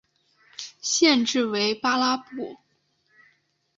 县治为巴拉布。